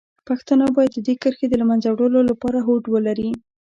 پښتانه باید د دې کرښې د له منځه وړلو لپاره هوډ ولري.